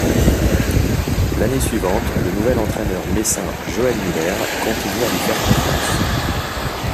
L'année suivante, le nouvel entraîneur messin Joël Muller continue à lui faire confiance.